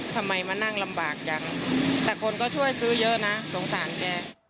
ทำไมมานั่งลำบากจังแต่คนก็ช่วยซื้อเยอะนะสงสารแก